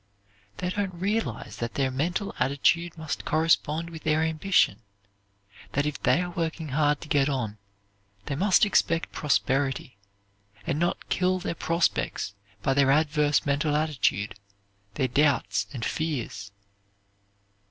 They don't realize that their mental attitude must correspond with their ambition; that if they are working hard to get on, they must expect prosperity, and not kill their prospects by their adverse mental attitude their doubts and fears.